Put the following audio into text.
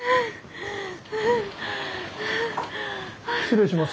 失礼します。